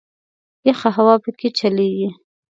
یخه هوا په کې چلیږي.